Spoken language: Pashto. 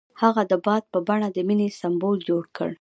هغه د باد په بڼه د مینې سمبول جوړ کړ.